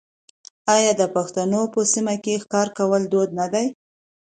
آیا د پښتنو په سیمو کې ښکار کول دود نه دی؟